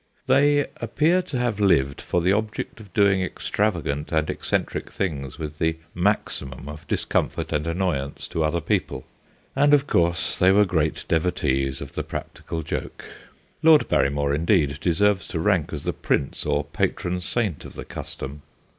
They appear to have lived for the object of doing extravagant and eccentric things with the maximum of discomfort and annoyance to other people, and, of course, they were great devotees of the practical joke. Lord Barry more, indeed, deserves to rank as the prince or patron saint of the custom.